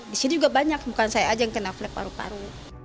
di sini juga banyak bukan saya aja yang kena flag paru paru